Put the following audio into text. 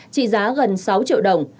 trị giá gần sáu triệu đồng